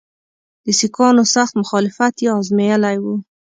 د سیکهانو سخت مخالفت یې آزمېیلی وو.